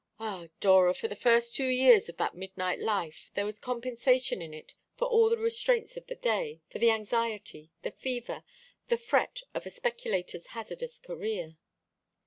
Ah, Dora, for the first two years of that midnight life there was compensation in it for all the restraints of the day, for the anxiety, the fever, the fret of a speculator's hazardous career.